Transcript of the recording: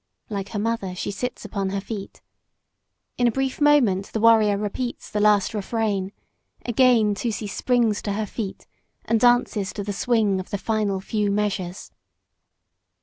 Like her mother, she sits upon her feet. In a brief moment the warrior repeats the last refrain. Again Tusee springs to her feet and dances to the swing of the few final measures.